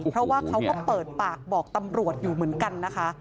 เพราะว่าเขาก็เปิดปากบอกตำรวจอยู่เหมือนกันนะคะ